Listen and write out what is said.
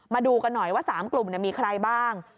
มาดูกันหน่อยว่า๓กลุ่มมีใครบ้าง